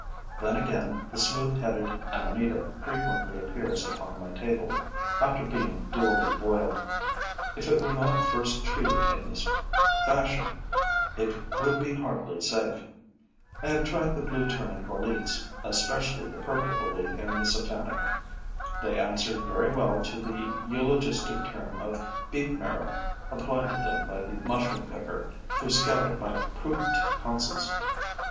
Then again the smooth headed amanita frequently appears upon my table, after being duly boiled: if it were not first treated in this fashion, it would be hardly safe. I have tried the blue turning boletes, especially the purple bolete and the Satanic. They answered very well to the eulogistic term of beef marrow applied to them by the mushroom picker who scouted my prudent counsels.